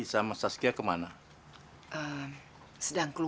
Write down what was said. saya mengucapkan terima kasih kepada pak ibu